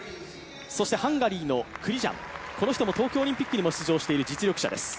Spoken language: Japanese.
そしてハンガリーのクリジャン、この人も東京オリンピックにも出場している実力者です。